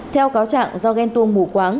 theo cáo trạng do ghen tuông mù quáng